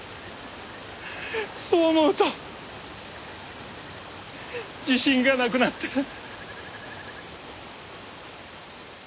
そう思うと自信がなくなって。